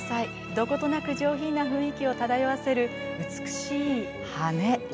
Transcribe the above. どことなく上品な雰囲気を漂わせる美しい羽根。